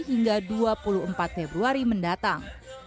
hingga dua puluh empat februari mendatang